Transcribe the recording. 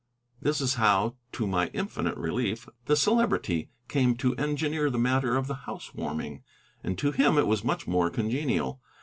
This is how, to my infinite relief, the Celebrity came to engineer the matter of the housewarming; and to him it was much more congenial.